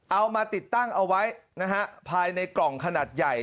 เอามาติดตั้งเอาไว้นะฮะภายในกล่องขนาดใหญ่